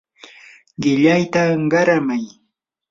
qillayta qaramay.